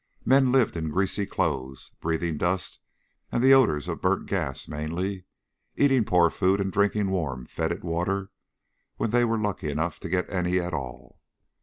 Men lived in greasy clothes, breathing dust and the odors of burnt gas mainly, eating poor food and drinking warm, fetid water when they were lucky enough to get any at all.